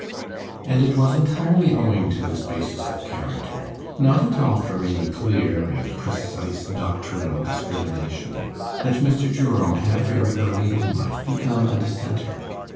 And it was entirely owing to this basis of character, not at all from any clear and precise doctrinal discrimination, that Mr. Jerome had very early in life become a Dissenter.